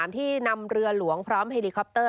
ที่นำเรือหลวงพร้อมเฮลิคอปเตอร์